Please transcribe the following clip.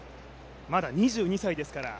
まだ２２歳ですから。